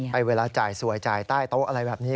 เวลาจ่ายสวยจ่ายใต้โต๊ะอะไรแบบนี้